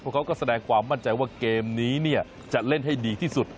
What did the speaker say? เขาก็แสดงความมั่นใจว่าเกมนี้จะเล่นให้ดีที่สุด